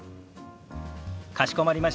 かしこまりました。